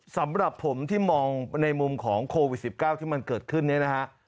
สำหรับผมที่มองในมุมของโควิด๑๙ที่มันเกิดขึ้นเนี่ยนะฮะ